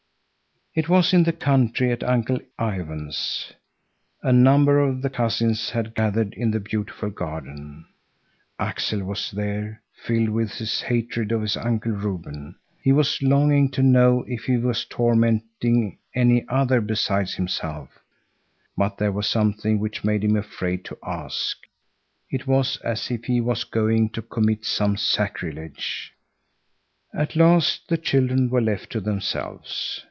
It was in the country at Uncle Ivan's. A number of the cousins had gathered in the beautiful garden. Axel was there, filled with his hatred of his Uncle Reuben. He was longing to know if he was tormenting any other besides himself, but there was something which made him afraid to ask. It was as if he was going to commit some sacrilege. At last the children were left to themselves.